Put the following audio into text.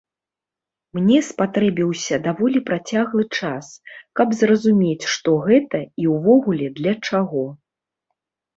Мне спатрэбіўся даволі працяглы час, каб зразумець, што гэта, і ўвогуле для чаго.